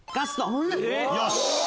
よし！